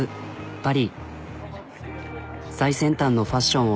パリ。